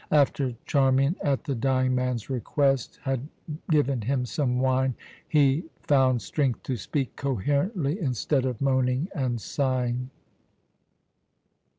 After Charmian, at the dying man's request, had given him some wine, he found strength to speak coherently, instead of moaning and sighing.